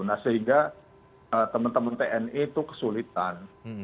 nah sehingga teman teman tni itu kesulitan